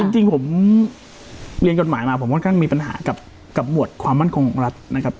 จริงผมเรียนกฎหมายมาผมค่อนข้างมีปัญหากับหมวดความมั่นคงของรัฐนะครับ